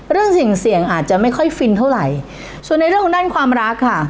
สิ่งเสี่ยงอาจจะไม่ค่อยฟินเท่าไหร่ส่วนในเรื่องของด้านความรักค่ะ